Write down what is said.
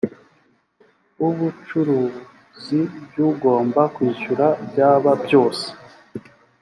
bubucuruzi by ugomba kwishyura byaba byose